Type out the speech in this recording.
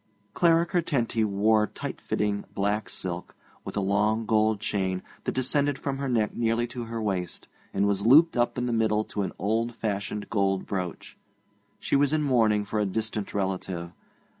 Clara Curtenty wore tight fitting black silk, with a long gold chain that descended from her neck nearly to her waist, and was looped up in the middle to an old fashioned gold brooch. She was in mourning for a distant relative.